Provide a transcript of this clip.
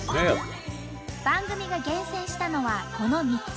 番組が厳選したのはこの３つ。